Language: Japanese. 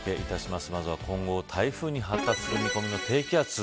まずは今後、台風に発達する見込みの低気圧。